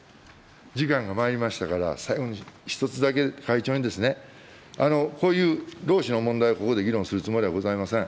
時間がまいりましたから、最後に１つだけ、会長に、こういう労使の問題をここで議論するつもりはございません。